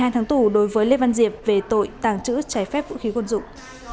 một mươi hai tháng tù đối với lê văn diệp về tội tàn trữ trái phép vũ khí quân dụng